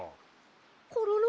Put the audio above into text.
コロロ？